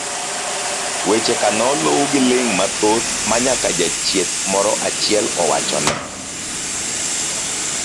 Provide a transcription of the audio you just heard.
weche ka noluw gi ling' mathoth ma nyaka jachieth moro achiel owachone